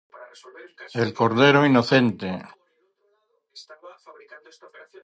El Cordero inocente